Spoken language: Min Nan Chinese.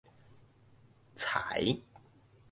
才